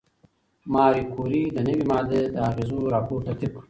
ماري کوري د نوې ماده د اغېزو راپور ترتیب کړ.